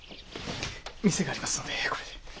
店がありますのでこれで。